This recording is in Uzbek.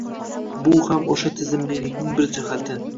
Bu ham o‘sha tizimlilikning bir jihati.